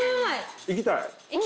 行きたい？